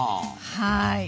はい。